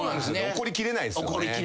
怒りきれないっすよね。